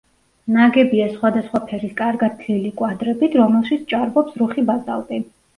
ნაგებია სხვადასხვა ფერის კარგად თლილი კვადრებით, რომელშიც ჭარბობს რუხი ბაზალტი.